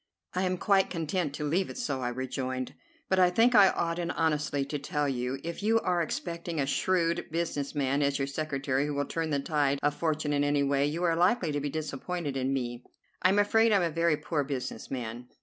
"I am quite content to leave it so," I rejoined, "but I think I ought in honesty to tell you, if you are expecting a shrewd business man as your secretary who will turn the tide of fortune in any way, you are likely to be disappointed in me. I am afraid I am a very poor business man."